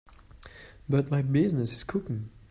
But my business is cooking.